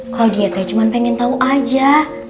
klaudia t cuma pengen tahu aja